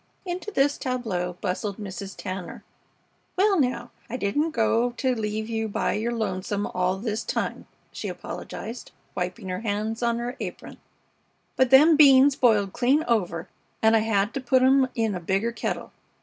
Into this tableau bustled Mrs. Tanner. "Well, now, I didn't go to leave you by your lonesome all this time," she apologized, wiping her hands on her apron, "but them beans boiled clean over, and I hed to put 'em in a bigger kettle.